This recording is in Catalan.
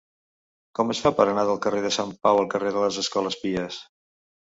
Com es fa per anar del carrer de Sant Pau al carrer de les Escoles Pies?